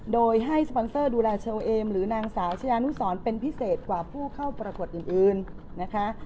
โดยให้สปอนเซอร์ดูแลเชลเอมหรือนางสาวชายานุสรเป็นพิเศษกว่าผู้เข้าประกวดอื่นนะคะ